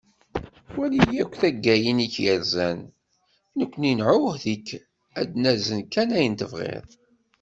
Wali akk taggayin i k-yerzan, nekkni newɛed-ik ak-d-nazen kan ayen tebɣiḍ.